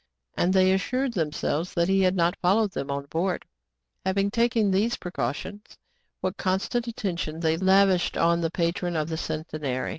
^— and they assured themselves that he had not followed them on board. Having taken these precautions, what constant attention they lavished on the patron of the Centenary